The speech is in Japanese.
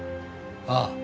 ああ。